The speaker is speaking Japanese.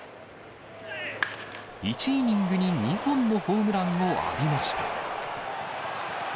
１イニングの２本のホームランを浴びました。